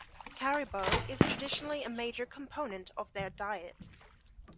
Caribou is traditionally a major component of their diet.